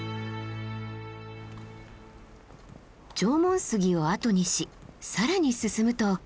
縄文杉をあとにし更に進むと。